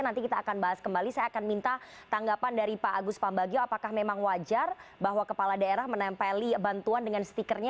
nanti kita akan bahas kembali saya akan minta tanggapan dari pak agus pambagio apakah memang wajar bahwa kepala daerah menempeli bantuan dengan stikernya